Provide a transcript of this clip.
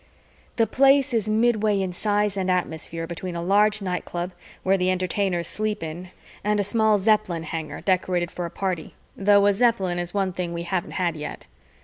The Place is midway in size and atmosphere between a large nightclub where the Entertainers sleep in and a small Zeppelin hangar decorated for a party, though a Zeppelin is one thing we haven't had yet.